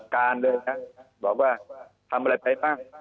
การเลยครับบอกว่าทำอะไรไปบ้าง